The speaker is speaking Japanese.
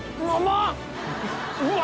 うわ。